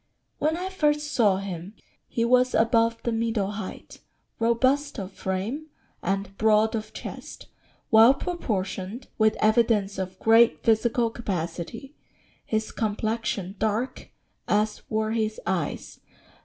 ] "When I first saw him, he was above the middle height, robust of frame, and broad of chest; well proportioned, with evidence of great physical capacity; his complexion dark, as were his eyes.